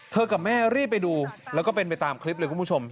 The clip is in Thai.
กับแม่รีบไปดูแล้วก็เป็นไปตามคลิปเลยคุณผู้ชม